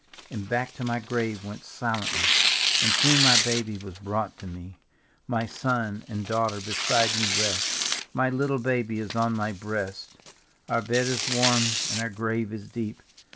And back to my grave went silently, And soon my baby was brought to me ; My son and daughter beside me rest, My little baby is on my breast; Our bed is warm and our grave is deep.